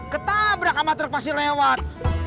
ketabrak sama truk pasti lewat